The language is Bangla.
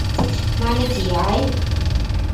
মানে কী, আয়!